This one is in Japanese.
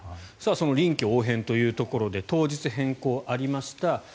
臨機応変というところで当日、変更がありました。